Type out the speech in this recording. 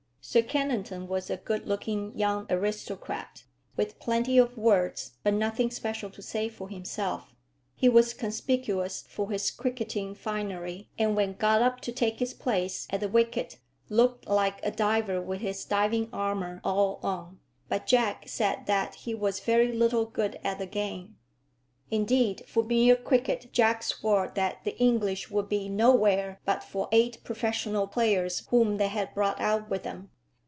Sir Kennington was a good looking young aristocrat, with plenty of words, but nothing special to say for himself. He was conspicuous for his cricketing finery, and when got up to take his place at the wicket, looked like a diver with his diving armour all on; but Jack said that he was very little good at the game. Indeed, for mere cricket Jack swore that the English would be "nowhere" but for eight professional players whom they had brought out with them.